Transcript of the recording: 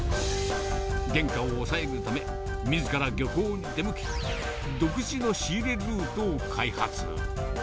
原価を抑えるため、みずから漁港に出向き、独自の仕入れルートを開発。